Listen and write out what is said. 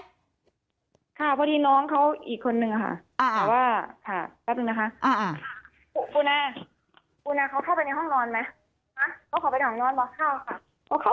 ค่ะเพราะที่น้องเขาอีกคนนึงค่ะแต่ว่าแป๊บหนึ่งนะคะ